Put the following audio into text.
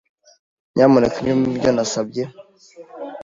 Nyamuneka umpe ibyo nasabye?